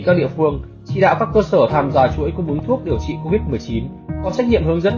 các địa phương chỉ đạo các cơ sở tham gia chuỗi cung búng thuốc điều trị covid một mươi chín có trách nhiệm hướng dẫn